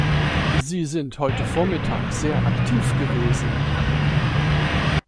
Sie sind heute vormittag sehr aktiv gewesen.